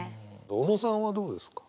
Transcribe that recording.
小野さんはどうですか？